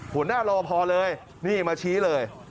หัวหน้ารอบพอเลยนี่มาชี้เลย